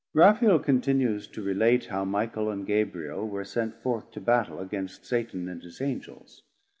Raphael continues to relate how Michael and Gabriel were sent forth to Battel against Satan and his Angels.